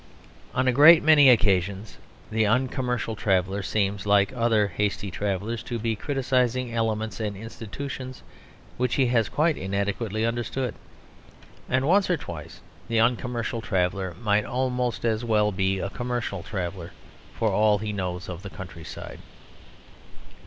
On a great many occasions the Uncommercial Traveller seems, like other hasty travellers, to be criticising elements and institutions which he has quite inadequately understood; and once or twice the Uncommercial Traveller might almost as well be a Commercial Traveller for all he knows of the countryside.